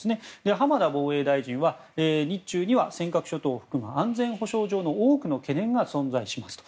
浜田防衛大臣は日中には尖閣諸島を含む安全保障上の多くの懸念が存在しますと。